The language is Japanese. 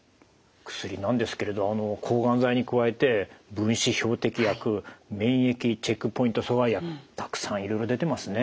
薬なんですけれど抗がん剤に加えて分子標的薬免疫チェックポイント阻害薬たくさんいろいろ出てますね。